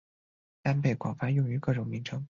但被广泛用于各种名称。